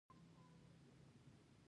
بي بي سي تر دې وړاندې